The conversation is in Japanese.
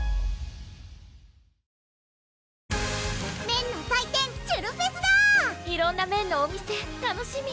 麺の祭典ちゅるフェスだ色んな麺のお店楽しみ